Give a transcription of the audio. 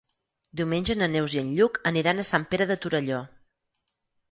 Diumenge na Neus i en Lluc aniran a Sant Pere de Torelló.